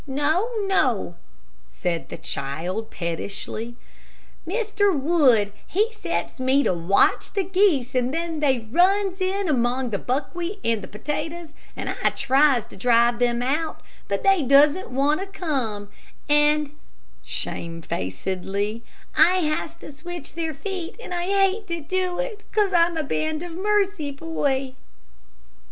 "No, no," said the child, pettishly; "Mr. Wood he sets me to watch the geese, and they runs in among the buckwheat and the potatoes, and I tries to drive them out, and they doesn't want to come, and," shamefacedly, "I has to switch their feet, and I hates to do it, 'cause I'm a Band of Mercy boy."